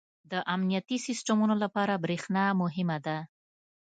• د امنیتي سیسټمونو لپاره برېښنا مهمه ده.